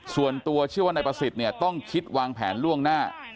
ส่วนตัวเชื่อว่านายพระศิษย์ต้องคิดวางแผนล่วงหน้า